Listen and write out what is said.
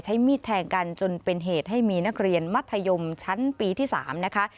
มีดแทงกันจนเป็นเหตุให้มีนักเรียนมัธยมชั้นปีที่๓นะคะ